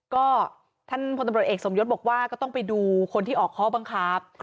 ก็ท่านพลตำรวจเอกสมยศบอกว่าก็ต้องไปดูคนที่ออกข้อบังคับ